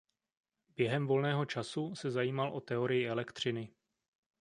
Během volného času se zajímal o teorii elektřiny.